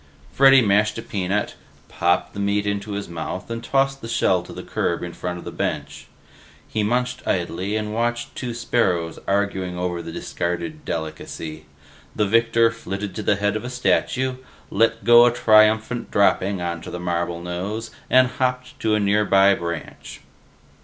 Freddy mashed a peanut, popped the meat into his mouth, and tossed the shell to the curb in front of his bench. He munched and idly watched two sparrows arguing over the discarded delicacy; the victor flitted to the head of a statue, let go a triumphant dropping onto the marble nose, and hopped to a nearby branch.